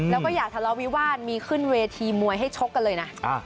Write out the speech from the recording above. แล้วก็อย่าทะเลาวิวาสมีขึ้นเวทีมวยให้ชกกันเลยนะ